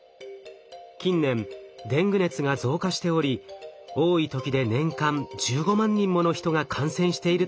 近年デング熱が増加しており多い時で年間１５万人もの人が感染しているといいます。